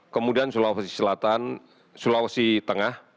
kemudian sulawesi selatan sulawesi tengah